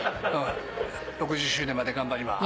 ６０周年まで頑張ります。